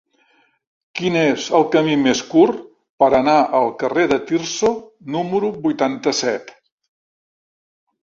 Quin és el camí més curt per anar al carrer de Tirso número vuitanta-set?